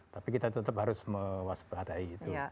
tapi kita tetap harus mewaspadai itu